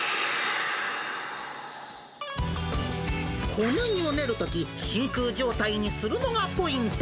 小麦を練るとき、真空状態にするのがポイント。